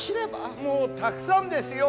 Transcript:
もうたくさんですよ。